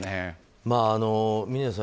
まあ、峰さん